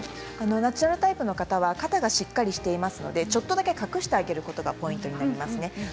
ナチュラルタイプの方は肩がしっかりしていますのでちょっとだけ隠してあげることがポイントになります。